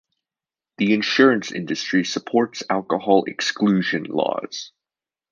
The insurance industry supports alcohol exclusion laws.